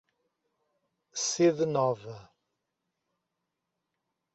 Sede Nova